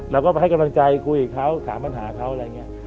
เราก็ไปให้กำลังใจคุยกับเขาถามปัญหาเขาอะไรอย่างนี้